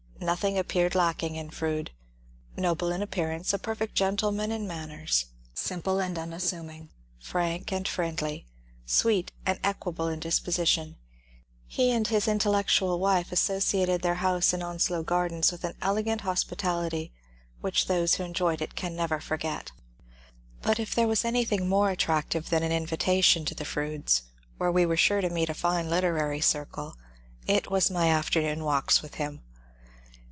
Nothing appeared lacking in Froude. Noble in appearance, a perfect gentleman in manners, simple and imassuming, frank and friendly, sweet and equable in dispo sition, he and his intellectual wife associated their house in JAMES ANTHONY FROUDE 201 Onslow Gardens with an elegant hospitality which those who enjoyed it can never forget. But if there was anything more attractive than an invita tion to the Frondes', where we were sure to meet a fine liter ary circle, it was my afternoon walks with him.